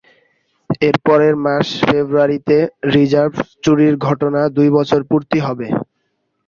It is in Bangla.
এর পরের মাস ফেব্রুয়ারিতে রিজার্ভ চুরির ঘটনার দুই বছর পূর্তি হবে।